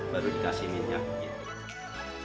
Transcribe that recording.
baru dikasih minyak gitu